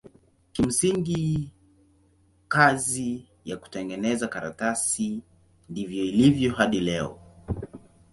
Kimsingi kazi ya kutengeneza karatasi ndivyo ilivyo hadi leo.